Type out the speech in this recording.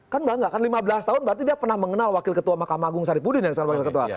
kan bangga kan lima belas tahun berarti dia pernah mengenal wakil ketua makam ha'agung sari pudin ya